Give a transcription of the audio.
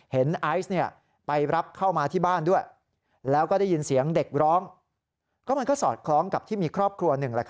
ไอซ์ไปรับเข้ามาที่บ้านด้วยแล้วก็ได้ยินเสียงเด็กร้องก็มันก็สอดคล้องกับที่มีครอบครัวหนึ่ง